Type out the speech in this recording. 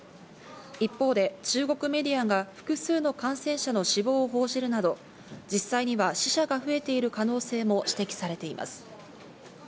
一方で中国メディアが複数の感染者の死亡を報じるなど、実際には死者が増えている可能性も指摘されています。